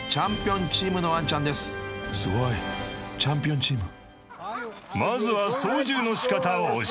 ［すごいチャンピオンチーム］